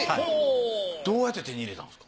どうやって手に入れたんですか？